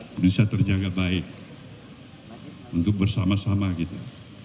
bisa terjaga baik untuk bersama sama kita